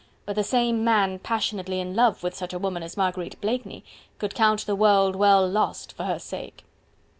But the same man passionately in love with such a woman as Marguerite Blakeney would count the world well lost for her sake.